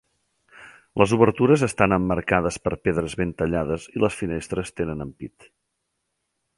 Les obertures estan emmarcades per pedres ben tallades i les finestres tenen ampit.